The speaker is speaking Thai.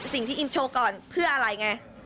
สิ่งที่อิมโชว์ก่อนเพื่ออะไรไง